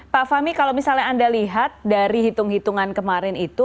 pak fahmi kalau misalnya anda lihat dari hitung hitungan kemarin itu